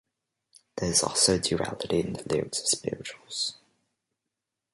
There is also a duality in the lyrics of spirituals.